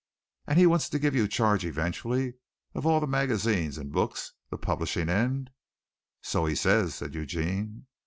"And he wants to give you charge eventually of all the magazines and books, the publishing end?" "So he says," said Eugene.